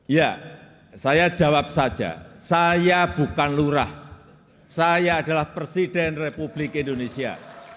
ya saya jawab saja saya bukan lurah saya adalah presiden republik indonesia